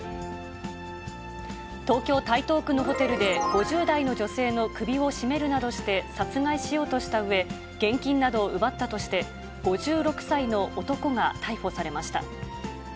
東京・台東区のホテルで、５０代の女性の首を絞めるなどして、殺害しようとしたうえ、現金などを奪ったとして、５６歳の男が逮捕されました。